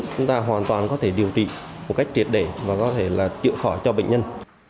chúng ta hoàn toàn có thể điều trị một cách triệt để và có thể là chịu khỏi cho bệnh nhân